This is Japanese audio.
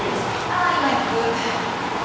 あ今行く。